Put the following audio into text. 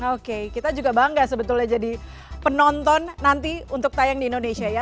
oke kita juga bangga sebetulnya jadi penonton nanti untuk tayang di indonesia ya